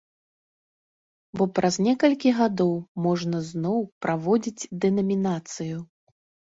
Бо праз некалькі гадоў можна зноў праводзіць дэнамінацыю.